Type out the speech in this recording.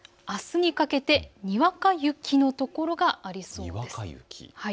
あすにかけてにわか雪の所がありそうです。